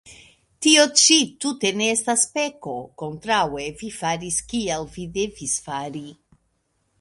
Tio ĉi tute ne estas peko; kontraŭe, vi faris, kiel vi devis fari.